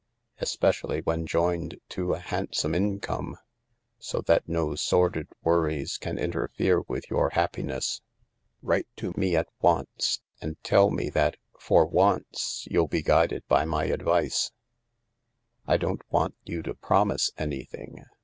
Especially when joined to a handsome income, so that no sordid worries can interfere with your happiness. Write to me at once and tell me that for once you'll be guided by my advice. I don't want you to promise anything.